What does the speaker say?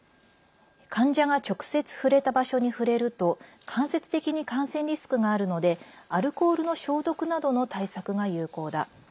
患者が直接触れた場所に触れると間接的に感染リスクがあるのでアルコールの消毒などの対策が有効だ。